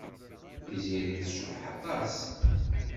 Tiziri tecbeḥ aṭas.